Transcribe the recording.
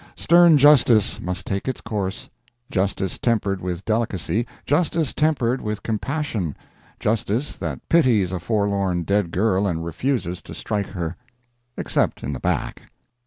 Stern justice must take its course justice tempered with delicacy, justice tempered with compassion, justice that pities a forlorn dead girl and refuses to strike her. Except in the back.